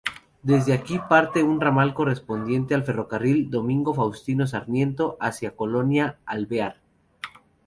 Desde aquí parte un ramal correspondiente al Ferrocarril Domingo Faustino Sarmiento hacia Colonia Alvear.